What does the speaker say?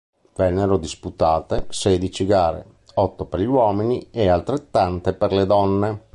Vennero disputate sedici gare: otto per gli uomini e altrettante per le donne.